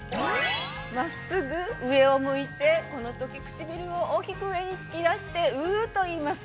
真っすぐ上を向いて、このとき唇を大きく上につき出してウーといいます。